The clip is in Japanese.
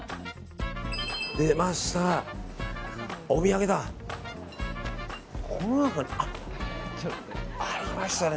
出ました、お土産だ。ありましたね。